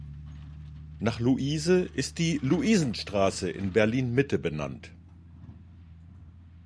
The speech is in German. Nach Luise ist die Luisenstraße in Berlin-Mitte benannt.